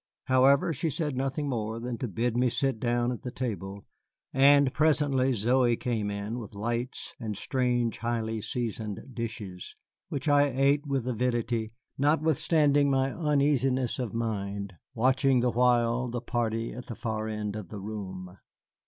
However, she said nothing more than to bid me sit down at the table, and presently Zoey came in with lights and strange, highly seasoned dishes, which I ate with avidity, notwithstanding my uneasiness of mind, watching the while the party at the far end of the room.